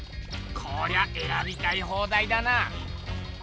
こりゃえらびたい放題だな！